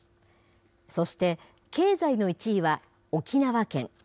そして、経済の１位は沖縄県。